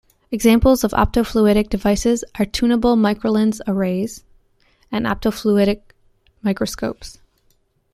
Examples of optofluidic devices are tunable microlens arrays and optofluidic microscopes.